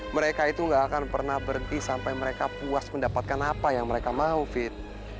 mereka itu gak akan pernah berhenti sampai mereka puas mendapatkan apa yang mereka mau fit